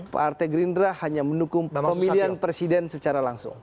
partai gerindra hanya mendukung pemilihan presiden secara langsung